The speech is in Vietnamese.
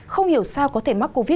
không hiểu sao có thể mắc covid